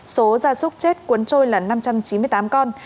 số gia súc chết cuốn trôi là năm trăm chín mươi tám con